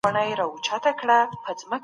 په ټولنیز ژوند کي نور اړخونه هم سته.